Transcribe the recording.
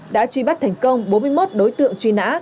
đã truy bắt thành công bốn mươi một đối tượng truy nã